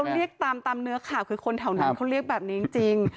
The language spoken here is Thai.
เขาเรียกตามเนื้อข่าวคือคนแถวนั้นเขาเรียกแบบนี้จริง